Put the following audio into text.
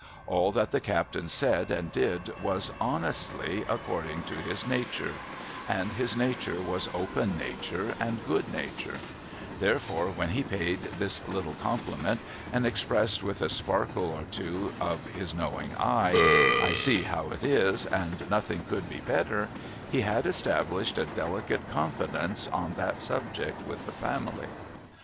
All that the captain said and did was honestly according to his nature ; and his nature was open nature and good nature ; therefore, when he paid this little com pliment, and expressed with a sparkle or two of his knowing eye, ' I 230 A MESSAGE FROM THE SEA sec how it is, and nothing could be better,' he had estabhshed a dehtate confidence on that subject with the family.